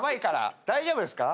大丈夫ですか？